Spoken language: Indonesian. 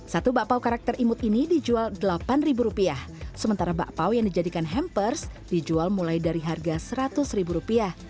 satu bakpau karakter imut ini dijual rp delapan sementara bakpao yang dijadikan hampers dijual mulai dari harga rp seratus